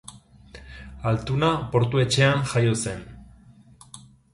Altuna Portu etxean jaio zen.